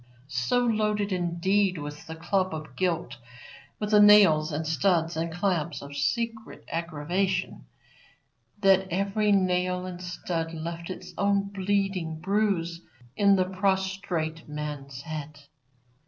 So loaded, indeed, was the club of Guilt with the nails and studs and clamps of secret aggravation, that every nail and stud left its own bleeding bruise in the prostrate man's head.